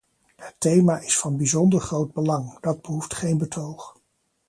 Het thema is van bijzonder groot belang, dat behoeft geen betoog.